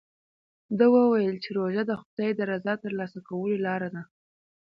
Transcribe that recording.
ده وویل چې روژه د خدای د رضا ترلاسه کولو لاره ده.